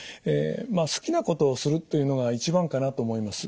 まあ好きなことをするというのが一番かなと思います。